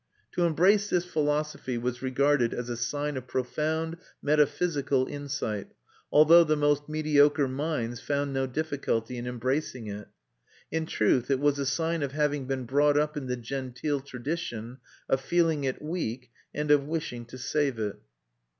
To embrace this philosophy was regarded as a sign of profound metaphysical insight, although the most mediocre minds found no difficulty in embracing it. In truth it was a sign of having been brought up in the genteel tradition, of feeling it weak, and of wishing to save it.